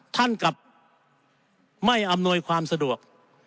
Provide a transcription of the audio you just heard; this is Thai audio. ท่านกลับไม่อำนวยความสะดวก